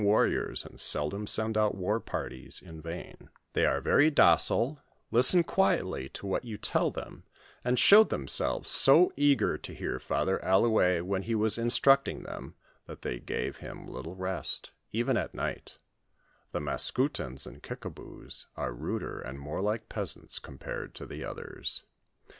are veiy docile, listen quietly to what you tell them, and showed themselves so eager to hear Father Allonez when he was instructing them, that they gave him little rest, even at night. The Maskoutens and Kikabous are ruder and more like peasants, compared to the others.